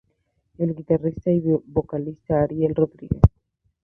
El Guitarrista y vocalista Ariel Rodríguez.